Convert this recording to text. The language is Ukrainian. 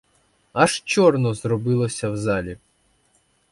Аж чорно зробилося в залі.